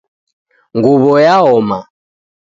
Nguwo yaoma